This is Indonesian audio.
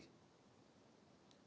masih terus terjadi